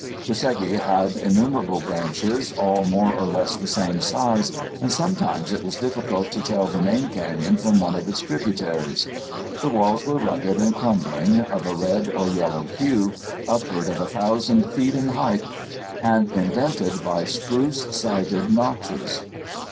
The Segi had innumerable branches, all more or less the same size, and sometimes it was difficult to tell the main canyon from one of its tributaries. The walls were rugged and crumbling, of a red or yellow hue, upward of a thousand feet in height, and indented by spruce sided notches.